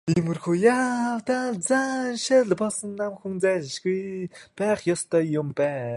Иймэрхүү явдалд заншил болсон лам хүн зайлшгүй байх ёстой юм байна.